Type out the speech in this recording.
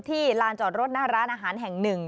ที่ร้านจอดรถร้านอาหารแห่ง๑